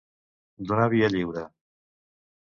Donar via lliure.